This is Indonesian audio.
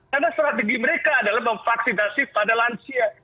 karena strategi mereka adalah memvaksinasi pada lansia